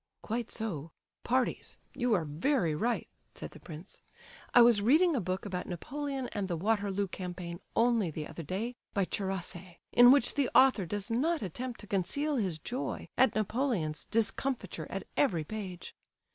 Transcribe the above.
"Quite so—parties—you are very right," said the prince. "I was reading a book about Napoleon and the Waterloo campaign only the other day, by Charasse, in which the author does not attempt to conceal his joy at Napoleon's discomfiture at every page.